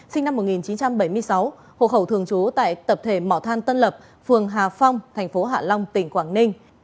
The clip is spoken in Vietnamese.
sinh năm một nghìn chín trăm bảy mươi sáu hộ khẩu thường trú tại tập thể mỏ than tân lập phường hà phong thành phố hạ long tỉnh quảng ninh